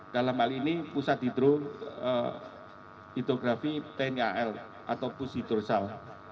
dalam hal ini pusat hidrografi tnal atau pusidursal